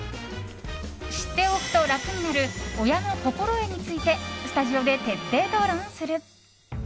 知っておくと楽になる親の心得についてスタジオで徹底討論する。